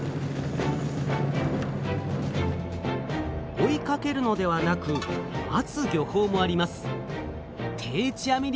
追いかけるのではなく待つ漁法もあります。